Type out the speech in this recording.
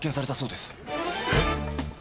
えっ！？